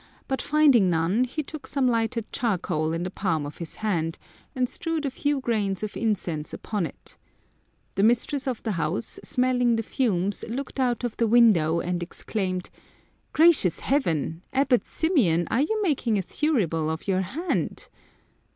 2 ETs (povcKdptos, 176 [ fir pa Some Crazy Saints finding none, he took some lighted charcoal in the palm of his hand, and strewed a few grains of ncense upon it The mistress of the house, smelling the fumes, looked out of the window, and exclaimed, " Gracious heaven ! Abbot Symeon, are you making a thurible of your hand?"